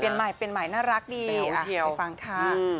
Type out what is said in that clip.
เปลี่ยนใหม่เปลี่ยนใหม่น่ารักดีไปฟังค่ะ